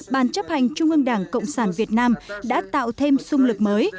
bàn chấp hành trung ương đảng cộng sản việt nam đã tạo thêm xung lực mới